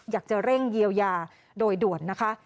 อยากจะเร่งเยียวยาโดยด่วนนะคะ